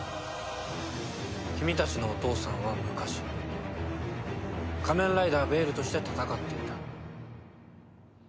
君たちのお父さんは昔仮面ライダーベイルとして戦っていた。